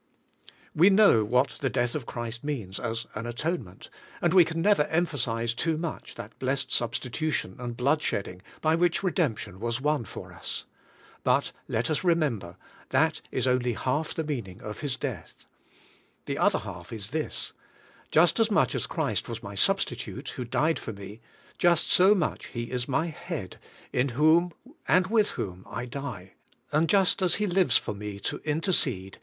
We know what the death of Christ means as an atone ment, and we never can emphasize too much that blessed substitution and bloodshedding, by which redemption was won for us. But let us remember, that is only half the meaning of His death. The 78 CHRIST OUR LIFE Other half is this: just as much as Christ was my substitute, who died for me, just so much He is my head, in whom, and with whom, I die; and just as He lives for me, to intercede.